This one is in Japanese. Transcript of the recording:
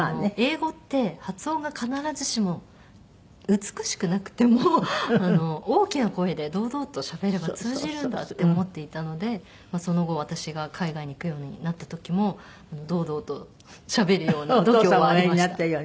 英語って発音が必ずしも美しくなくても大きな声で堂々としゃべれば通じるんだって思っていたのでその後私が海外に行くようになった時も堂々としゃべるような度胸はありました。